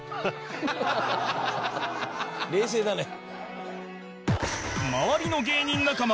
冷静だね。